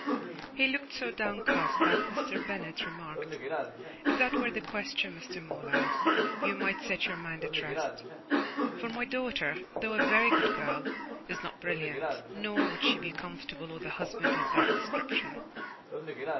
He looked so downcast that Mr. Bennet remarked: "If that were the question, Mr. Morland, you might set your mind at rest, for my daughter, though a very good girl, is not brilliant, nor would she be comfortable with a husband of that description."